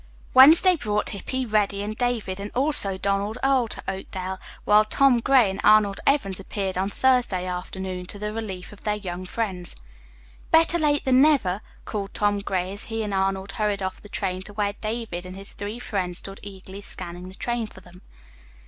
Wednesday brought Hippy, Reddy and David and also Donald Earle to Oakdale, while Tom Gray and Arnold Evans appeared on Thursday afternoon, to the relief of their young friends. "Better late than never," called Tom Gray as he and Arnold hurried off the train to where David and his three friends stood eagerly scanning the train for them.